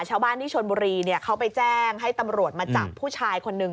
ชาวบ้านที่ชนบุรีเขาไปแจ้งให้ตำรวจมาจับผู้ชายคนนึง